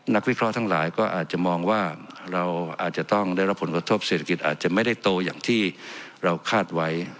นักวิเคราะห์ทั้งหลายก็อาจจะมองว่าเราอาจจะต้องได้รับผลกระทบเศรษฐกิจอาจจะไม่ได้โตอย่างที่เราคาดไว้